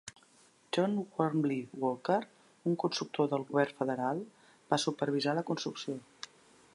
John Wormley Walker, un constructor del govern federal, va supervisar la construcció.